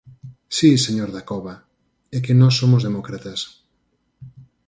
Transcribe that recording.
Si, señor Dacova, é que nós somos demócratas.